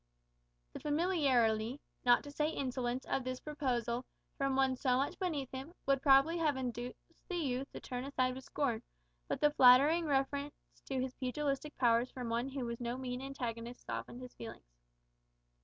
The familiarity, not to say insolence, of this proposal, from one so much beneath him, would probably have induced the youth to turn aside with scorn, but the flattering reference to his pugilistic powers from one who was no mean antagonist softened his feelings.